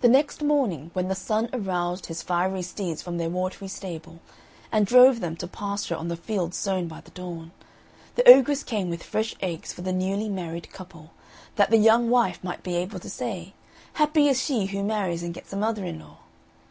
The next morning, when the Sun aroused his fiery steeds from their watery stable, and drove them to pasture on the fields sown by the Dawn, the ogress came with fresh eggs for the newly married couple, that the young wife might be able to say, "Happy is she who marries and gets a mother in law!"